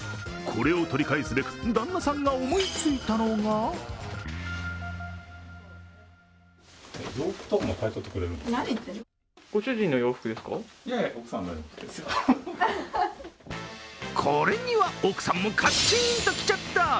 これを取り返すべく旦那さんが思いついたのがこれには奥さんもカッチーンときちゃった。